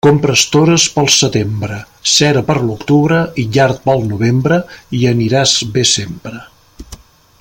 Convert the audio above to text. Compra estores pel setembre, cera per l'octubre i llard pel novembre i aniràs bé sempre.